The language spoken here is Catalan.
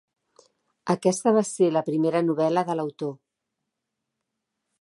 Aquesta va ser la primera novel·la de l'autor.